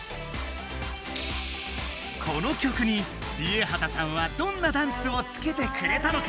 この曲にＲＩＥＨＡＴＡさんはどんなダンスをつけてくれたのか？